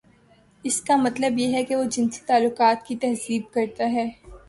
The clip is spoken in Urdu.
اس کا مطلب یہ ہے کہ وہ جنسی تعلقات کی تہذیب کرتا ہے۔